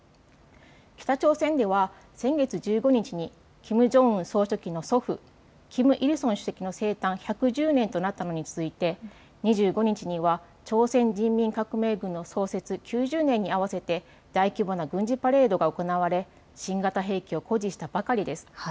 北朝鮮では先月１５日にキム・ジョンウン総書記の祖父、キム・イルソン主席の生誕１１０年となったのに続いて２５日には朝鮮人民革命軍の創設９０年に合わせて大規模な軍事パレードが行われ新型兵器を誇示したばかりです。